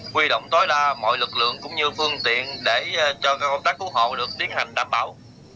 quy động tối đa mọi lực lượng cũng như phương tiện để cho công tác cứu hộ được tiến hành đảm bảo